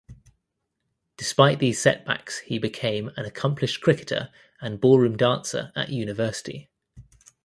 Despite these setbacks he became an "accomplished cricketer and ballroom dancer" at university.